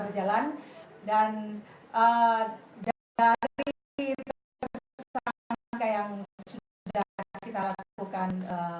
berjalan dan ah jatuh tapi itu yang sudah kita lakukan